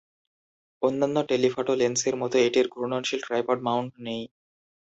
অন্যান্য টেলিফটো লেন্সের মতো এটির ঘূর্ণনশীল ট্রাইপড মাউন্ট নেই।